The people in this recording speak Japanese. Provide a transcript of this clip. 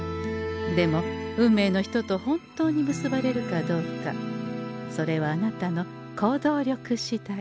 でも運命の人と本当に結ばれるかどうかそれはあなたの行動力しだい。